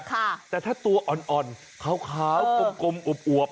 ซ่าแต่ถ้าตัวอ่อนเขาขาวโกมอวบ